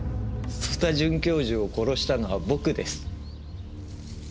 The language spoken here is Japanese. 曽田准教授を殺したのは僕です。